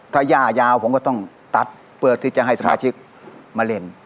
ถ้าย่ายาวผมก็ต้องตัดเพื่อที่จะให้สมาชิกมาเล่น